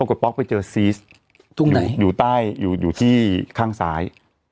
แล้วก็ป๊อกก็ไปเจอซีสอยู่ใต้อยู่ที่ข้างซ้าย